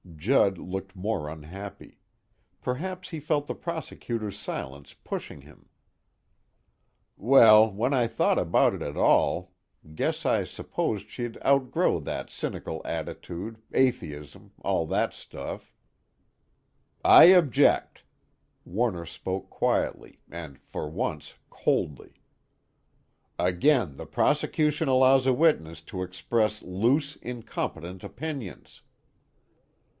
Judd looked more unhappy; perhaps he felt the prosecutor's silence pushing him. "Well when I thought about it at all guess I supposed she'd outgrow that cynical attitude, atheism, all that stuff." "I object!" Warner spoke quietly and, for once, coldly. "Again the prosecution allows a witness to express loose, incompetent opinions."